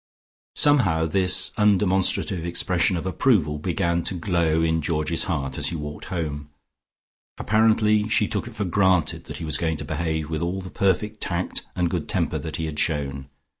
Somehow this undemonstrative expression of approval began to glow in Georgie's heart as he walked home. Apparently she took it for granted that he was going to behave with all the perfect tact and good temper that he had shown.